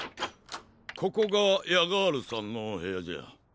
ここがヤガールさんのへやじゃ。